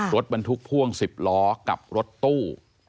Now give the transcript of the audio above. รถบรรทุกพ่วง๑๐ล้อกับรถตู้